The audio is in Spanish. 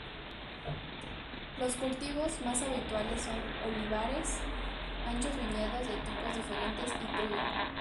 Los cultivos más habituales son olivares, anchos viñedos de tipos diferentes y trigo.